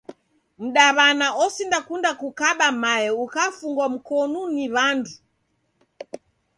Mdawana osindakunda kukaba mae ukafungwa mkonu ni wandu